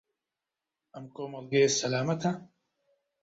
ئەم کۆمەڵگەیە سەلامەتە؟